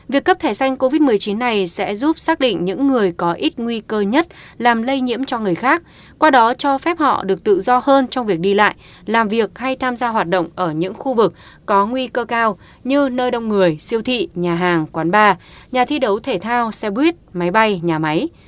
việc cấp thẻ xanh covid một mươi chín này sẽ giúp xác định những người có ít nguy cơ nhất làm lây nhiễm cho người khác qua đó cho phép họ được tự do hơn trong việc đi lại làm việc hay tham gia hoạt động ở những khu vực có nguy cơ cao như nơi đông người siêu thị nhà hàng quán bar nhà thi đấu thể thao xe buýt máy bay nhà máy